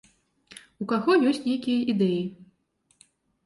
У каго ёсць нейкія ідэі.